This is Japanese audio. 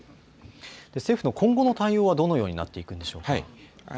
政府の今後の対応はどのようになっていくんでしょうか。